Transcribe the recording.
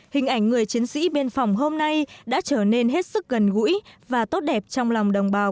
hình ảnh người chiến sĩ biên phòng hôm nay đã trở nên hết sức gần gũi và tốt đẹp trong lòng đồng bào